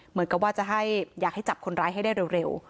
เหมือนกับว่าจะให้อยากให้จับคนร้ายให้ได้เร็ว